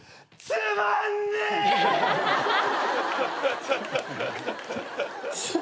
つまんねえ。